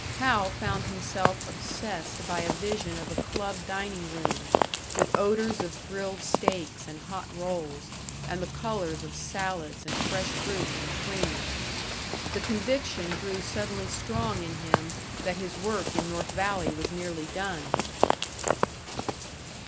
Hal found himself obsessed by a vision of a club dining room, with odours of grilled steaks and hot rolls, and the colours of salads and fresh fruits and cream. The conviction grew suddenly strong in him that his work in North Valley was nearly done!